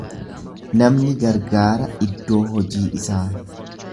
Namni gargaara iddoo hojii isaa.